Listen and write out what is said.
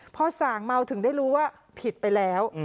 พอส่างเมาถึงได้รู้ว่าผิดไปแล้ว